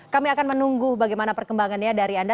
kami akan menunggu bagaimana perkembangannya dari anda